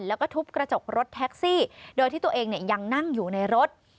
แล้วก็ทุบกระจกรถแท็กซี่โดยที่ตัวเองยังนั่งอยู่ในรถ